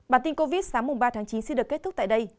bản tin covid sáng mùng ba tháng chín